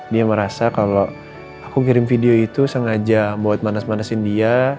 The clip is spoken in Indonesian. dia merasa kalau aku kirim video itu sengaja buat manas manasin dia